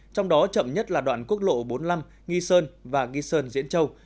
trong đó chậm nhất là đoạn quốc lộ bốn mươi năm nghi sơn và nghi sơn diễn châu